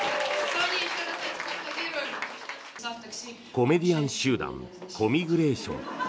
コメディアン集団コミグレーション。